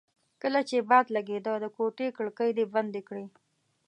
کله چې باد لګېده د کوټې کړکۍ دې بندې کړې.